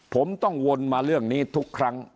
ผมต้องวนมาเรื่องนี้ทุกครั้ง